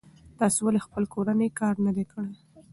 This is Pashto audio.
تاسې ولې خپل کورنی کار نه دی کړی؟